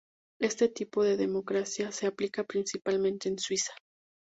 Este tipo de democracia se aplica principalmente en Suiza.